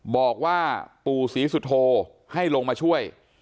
บอกว่าปู่ศรีสุโธให้ลงมาช่วย